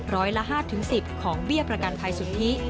ร้อยละ๕๑๐ของเบี้ยประกันภัยสุนทธิ